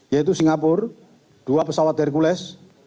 yaitu singapura dua pesawat hercules